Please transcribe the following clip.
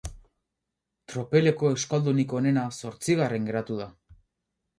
Tropeleko euskaldunik onena zortzigarren geratu da.